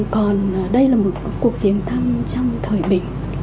còn đây là một cuộc tiến thăm trong thời bình